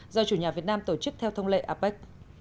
do chủ nhà việt nam tổ chức theo thông lệ apec